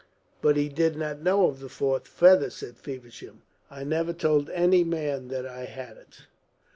"But he did not know of the fourth feather," said Feversham. "I never told any man that I had it."